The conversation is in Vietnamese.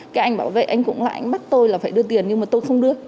cái anh bảo vậy anh cũng lại anh bắt tôi là phải đưa tiền nhưng mà tôi không đưa